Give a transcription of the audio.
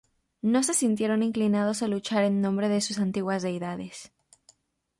No se sintieron inclinados a luchar en nombre de sus antiguas deidades.